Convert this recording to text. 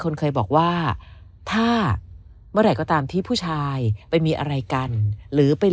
คนเคยบอกว่าถ้าเมื่อไหร่ก็ตามที่ผู้ชายไปมีอะไรกันหรือไป